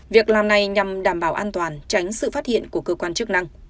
việc làm này nhằm đảm bảo an toàn tránh sự phát hiện của cơ quan chức năng